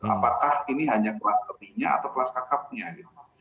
apakah ini hanya kelas tepinya atau kelas kakapnya gitu